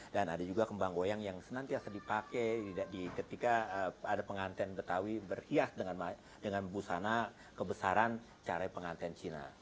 dan ada juga kembang goyang yang senantiasa dipakai ketika ada pengantin betawi berhias dengan busana kebesaran carai pengantin cina